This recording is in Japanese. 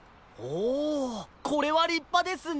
おこれはりっぱですね。